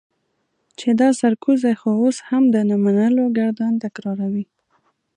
چې دا سرکوزی خو اوس هم د نه منلو ګردان تکراروي.